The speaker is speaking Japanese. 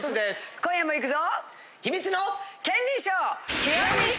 今夜も行くぞ！